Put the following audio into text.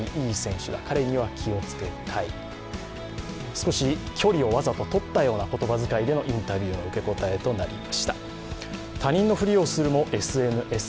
少し距離をわざととったような言葉遣いでインタビューの受け答えてなりました。